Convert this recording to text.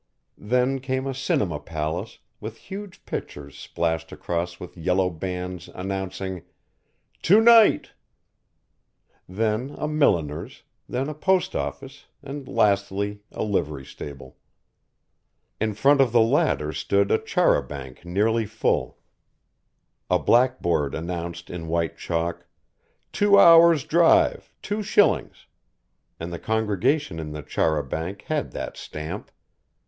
Then came a cinema palace, with huge pictures splashed across with yellow bands announcing: "TO NIGHT" Then a milliner's, then a post office, and lastly a livery stable. In front of the latter stood a char a banc nearly full. A blackboard announced in white chalk: "Two hours drive two shillings," and the congregation in the char a banc had that stamp.